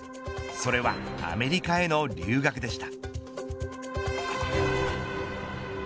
それはアメリカへの留学でした。